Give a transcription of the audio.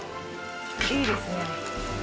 いいですね。